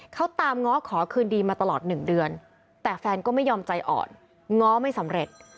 เขาตามง้อขอคืนดีมาตลอด๑เดือนแต่แฟนก็ไม่ยอมใจอ่อนง้อไม่สำเร็จ